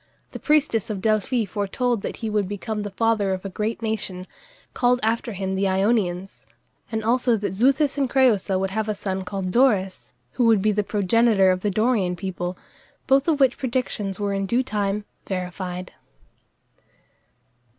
The priestess of Delphi foretold that he would become the father of a great nation, called after him the Ionians, and also that Xuthus and Crëusa would have a son called Dorus, who would be the progenitor of the Dorian people, both of which predictions were in due time verified.